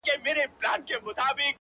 هلهیاره د سپوږمۍ پر لوري یون دی-